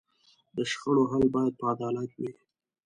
د شخړو حل باید په عدالت وي.